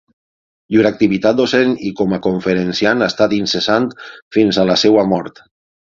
Llur activitat docent i com a conferenciant ha estat incessant fins a la seva mort.